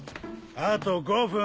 あと５分！